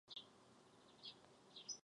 V tramvaji byly tři výškové úrovně podlahy.